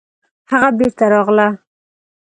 هغه بېرته راغله